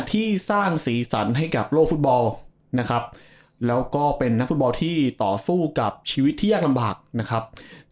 ที่สร้างสีสันให้กับโลกฟุตบอลนะครับแล้วก็เป็นนักฟุตบ